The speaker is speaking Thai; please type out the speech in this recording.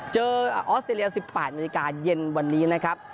ออสเตรเลีย๑๘นาฬิกาเย็นวันนี้นะครับ